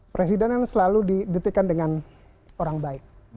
presiden yang selalu didetekan dengan orang baik